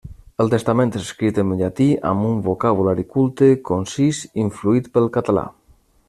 El testament és escrit en llatí, amb un vocabulari culte, concís, influït pel català.